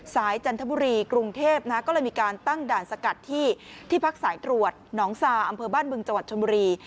จันทบุรีกรุงเทพก็เลยมีการตั้งด่านสกัดที่ที่พักสายตรวจหนองซาอำเภอบ้านบึงจังหวัดชนบุรี